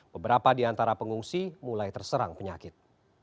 beberapa di antara pengungsi mulai terserang penyakit